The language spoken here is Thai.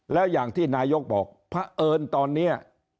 แล้วอย่างที่นายกบอกพระเอิญตอนนี้